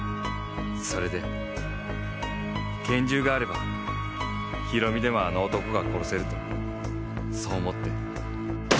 それで拳銃があれば弘美でもあの男が殺せるとそう思って。